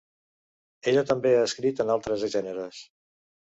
Ella també ha escrit en altres gèneres.